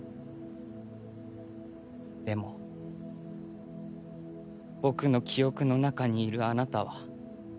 でも僕の記憶の中にいるあなたは。